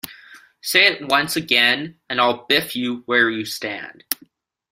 Say it once again, and I'll biff you where you stand.